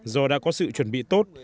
do đã có sự chuẩn bị tốt